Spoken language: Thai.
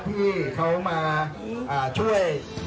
ที่เขามาช่วย